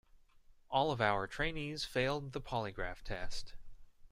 All of our trainees failed the polygraph test.